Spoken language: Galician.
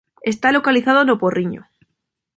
Está localizado no Porriño.